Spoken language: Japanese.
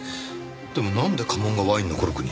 でもなんで家紋がワインのコルクに？